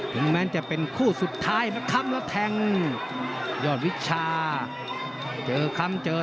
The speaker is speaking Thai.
ถึงแม้นจะเป็นคู่สุดท้ายนะครับ